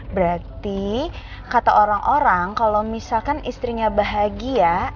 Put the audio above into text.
berarti kata orang orang kalau misalkan istrinya bahagia